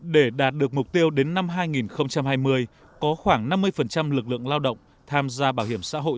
để đạt được mục tiêu đến năm hai nghìn hai mươi có khoảng năm mươi lực lượng lao động tham gia bảo hiểm xã hội